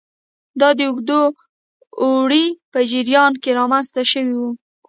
دا د اوږده اوړي په جریان کې رامنځته شوي وو